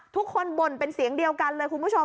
บ่นเป็นเสียงเดียวกันเลยคุณผู้ชม